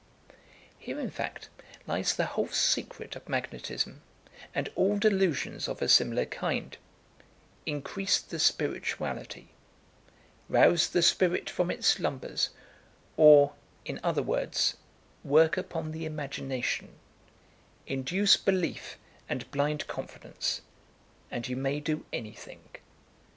Here, in fact, lies the whole secret of magnetism, and all delusions of a similar kind: increase the spirituality rouse the spirit from its slumbers, or, in other words, work upon the imagination induce belief and blind confidence, and you may do any thing.